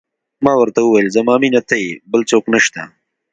ما ورته وویل: زما مینه ته یې، بل څوک نه شته.